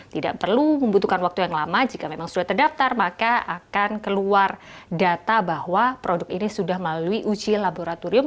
tidak perlu membutuhkan waktu yang lama jika memang sudah terdaftar maka akan keluar data bahwa produk ini sudah melalui uji laboratorium